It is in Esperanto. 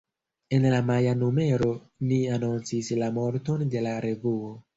En la maja numero ni anoncis la morton de la revuo.